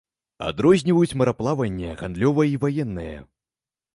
Адрозніваюць мараплаванне гандлёвае і ваеннае.